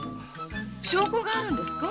証拠があるんですか？